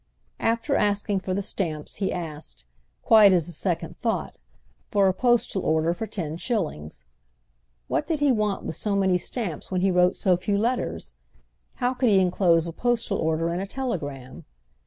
After asking for the stamps he asked, quite as a second thought, for a postal order for ten shillings. What did he want with so many stamps when he wrote so few letters? How could he enclose a postal order in a telegram?